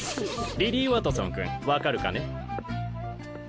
リリー・ワトソン君分かるかね？